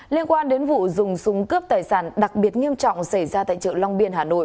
liên quan đến vụ dùng súng cướp tài sản đặc biệt nghiêm trọng xảy ra tại chợ long biên hà nội